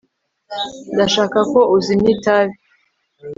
ndashaka ko uzimya itabi